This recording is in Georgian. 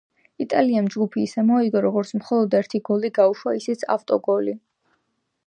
იტალიამ ჯგუფი ისე მოიგო, რომ მხოლოდ ერთი გოლი გაუშვა, ისიც ავტოგოლი.